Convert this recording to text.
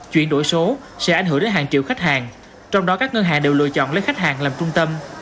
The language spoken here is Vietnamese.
chuyển đổi số sẽ ảnh hưởng đến hàng triệu khách hàng trong đó các ngân hàng đều lựa chọn lấy khách hàng làm trung tâm